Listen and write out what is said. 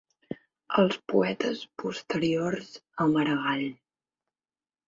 Els poetes posteriors a Maragall.